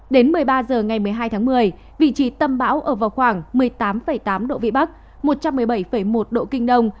đến một mươi ba h ngày một mươi hai tháng một mươi vị trí tâm bão ở vào khoảng một mươi tám tám độ vĩ bắc một trăm một mươi bảy một độ kinh đông